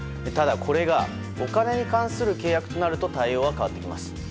ただ、これがお金に関する契約となると対応は変わってきます。